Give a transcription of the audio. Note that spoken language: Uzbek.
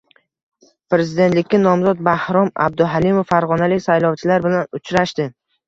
Prezidentlikka nomzod Bahrom Abduhalimov farg‘onalik saylovchilar bilan uchrashdi